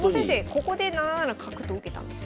ここで７七角と受けたんですよ。